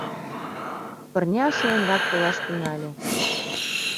Пырня шуэнрак толаш тӱҥале.